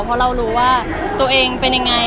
เพราะเรารู้ว่าตัวเองเป็นยังไง